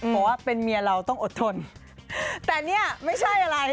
เพราะว่าเป็นเมียเราต้องอดทนแต่เนี่ยไม่ใช่อะไร